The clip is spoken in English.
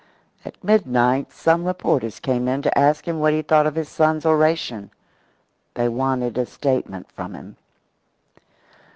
At midnight some reporters came in to ask him what he thought of his son's oration. They wanted a statement from him.